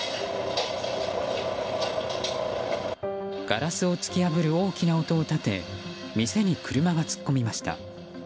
ガラスを突き破る大きな音を立て店に車が突っ込みました。